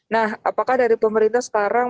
nah apakah dari pemerintah sekarang